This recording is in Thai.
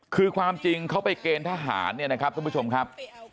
คือความจริงเขาไปเกณฑ์ทหารเนี่ยนะครับทุกผู้ชมครับ